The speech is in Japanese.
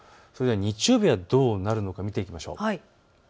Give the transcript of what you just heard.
日曜日はどうなるのか見ていきましょう。